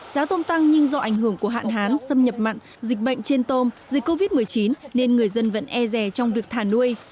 giá tôm tăng nhưng do ảnh hưởng của hạn hán xâm nhập mặn dịch bệnh trên tôm dịch covid một mươi chín nên người dân vẫn e rè trong việc thả nuôi